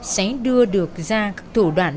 sẽ đưa được ra các thủ đoạn